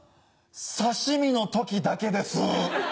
刺し身の時だけです。